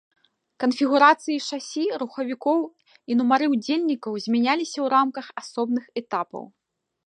Канфігурацыі шасі, рухавікоў і нумары ўдзельнікаў змяняліся ў рамках асобных этапаў.